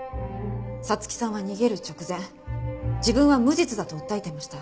彩月さんは逃げる直前自分は無実だと訴えていました。